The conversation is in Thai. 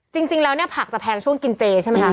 จริงแล้วเนี่ยผักจะแพงช่วงกินเจใช่ไหมคะ